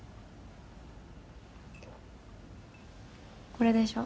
これでしょ。